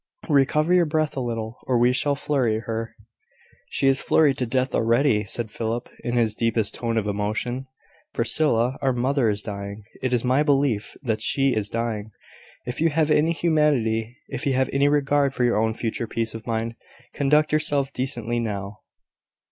"Recover your breath a little, or we shall flurry her." "She is flurried to death already," said Philip, in his deepest tone of emotion. "Priscilla, our mother is dying; it is my belief that she is dying. If you have any humanity, if you have any regard for your own future peace of mind, conduct yourself decently now.